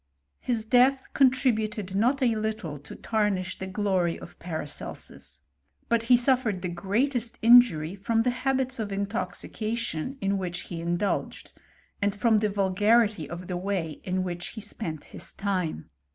His death contributed not a little to tarnish the g)(»ry of Paracelsus: but he suffered the greatest injury from the habits of intoxication in which he in dulged, and from the vulgarity of the way in which he spent his time.